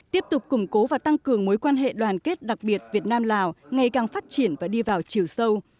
tiếp tục củng cố và tăng cường mối quan hệ đoàn kết đặc biệt việt nam lào ngày càng phát triển và đi vào chiều sâu